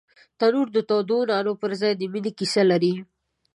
تنور د تودو نانو پر ځای د مینې کیسې لري